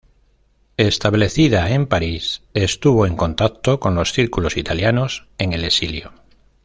Establecida en París, estuvo en contacto con los círculos italianos en el exilio.